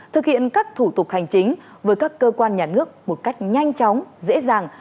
thực hiện các thủ tục hành chính với các cơ quan nhà nước một cách nhanh chóng dễ dàng